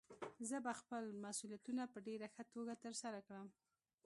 زه به خپل مسؤليتونه په ډېره ښه توګه ترسره کړم.